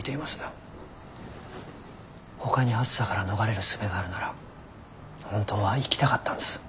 ほかに熱さから逃れるすべがあるなら本当は生きたかったんです。